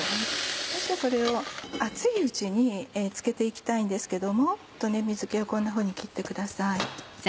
そしてこれを熱いうちにつけて行きたいんですけども水気をこんなふうに切ってください。